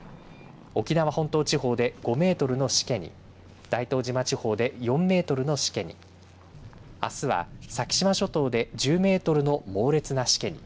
沖縄本島地方で５メートルのしけに大東島地方で４メートルのしけにあすは、先島諸島で１０メートルの猛烈なしけに。